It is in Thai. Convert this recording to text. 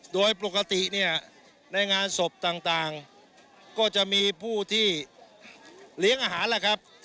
โดยปกติเนี่ยในงานศพต่างก็จะมีผู้ที่เลี้ยงอาหารล่ะครับ